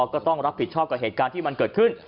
ก็ต้องรับผิดชอบกับเหตุการณ์ที่มันเกิดขึ้น